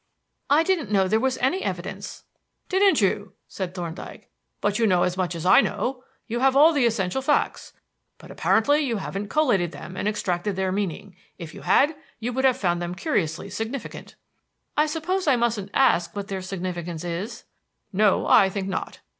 "I didn't know there was any evidence." "Didn't you?" said Thorndyke. "But you know as much as I know. You have all the essential facts; but apparently you haven't collated them and extracted their meaning. If you had, you would have found them curiously significant." "I suppose I mustn't ask what their significance is?" "No, I think not.